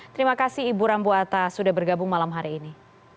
terima kasih ibu rambu atas sudah bergabung malam hari ini